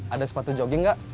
ada sepatu jogging gak